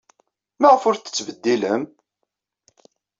Maɣef ur t-tettbeddilem?